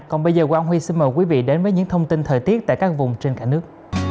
còn bây giờ quang huy xin mời quý vị đến với những thông tin thời tiết tại các vùng trên cả nước